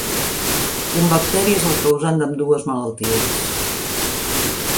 Un bacteri és el causant d'ambdues malalties.